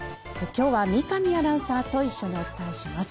今日は三上アナウンサーと一緒にお伝えします。